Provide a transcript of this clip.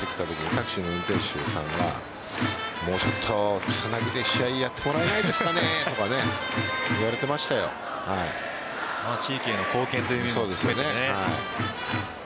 タクシーの運転手さんがもうちょっと草薙で試合やってもらえないですかねとか地域への貢献という意味でもですね。